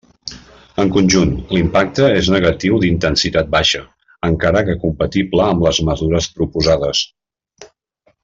En conjunt, l'impacte és negatiu d'intensitat baixa, encara que compatible amb les mesures proposades.